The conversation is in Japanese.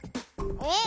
えっ？